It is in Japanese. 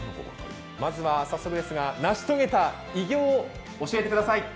まずは早速ですが成し遂げた偉業を教えてください。